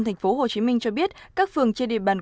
tp hồ chí minh cho biết các phường trên địa bàn